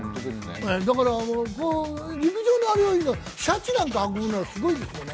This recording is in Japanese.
だから、陸上のあれはいいけどシャチなんか運ぶのすごいですよね。